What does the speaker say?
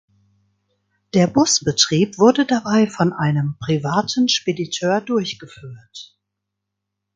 Der Busbetrieb wurde dabei von einem privaten Spediteur durchgeführt.